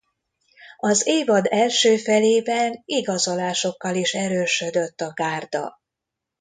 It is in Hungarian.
Az évad első felében igazolásokkal is erősödött a gárda.